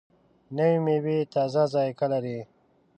نوې میوه تازه ذایقه لري